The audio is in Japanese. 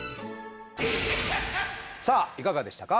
さあいかがでしたか？